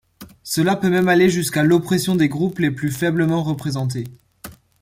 Cela peut même aller jusqu'à l'oppression des groupes les plus faiblement représentés.